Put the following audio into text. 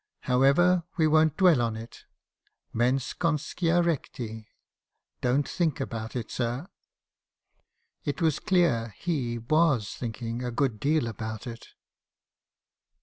However, we won't dwell on it. Mens conscia recti! Don't think about it, sir.' "It was clear he was thinking a good deal about it.